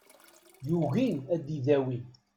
Yugi ad idawi.